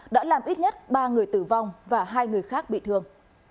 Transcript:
đã làm ít nhất ba người tử vong và hai người khác bị thương